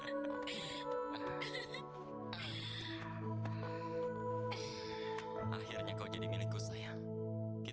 ayu sudah pernah curiga kebahagiaan